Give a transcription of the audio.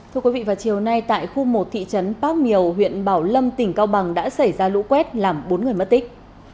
thưa quý vị vào chiều nay tại khu một thị trấn bác miều huyện bảo lâm tỉnh cao bằng đã xảy ra lũ quét làm bốn người mất tích